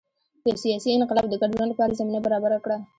یو سیاسي انقلاب د ګډ ژوند لپاره زمینه برابره کړه.